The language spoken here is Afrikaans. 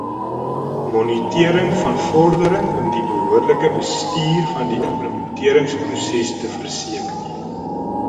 Monitering van vordering om die behoorlike bestuur van die implementeringsproses te verseker.